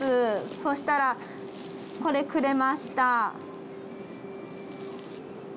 そしたら、これくれました。